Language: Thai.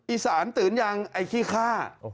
อีสานตื่นยังไอ้ขี้ฆ่า